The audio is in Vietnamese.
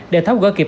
để tháo gỡ kịp